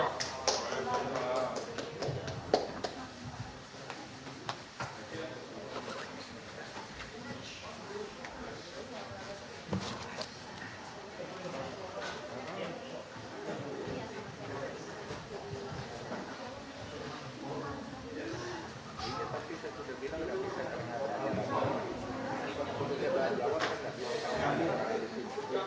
assalamualaikum warahmatullahi wabarakatuh